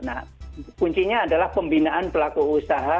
nah kuncinya adalah pembinaan pelaku usaha